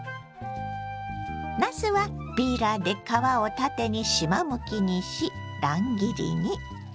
なすはピーラーで皮を縦にしまむきにし乱切りに。